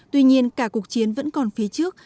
tuy nhiên cả cuộc chiến vẫn còn phía trước